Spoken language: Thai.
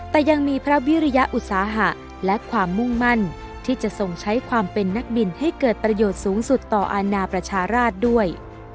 แต่ยังมีพระวิริยอุตสาหะและความมุ่งมั่นที่จะทรงใช้ความเป็นนักบินให้เกิดประโยชน์สูงสุดต่ออาณาประชาราชด้วย